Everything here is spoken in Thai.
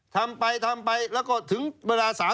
ทำไปทำไปแล้วก็ถึงเวลา๓๐